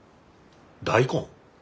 大根？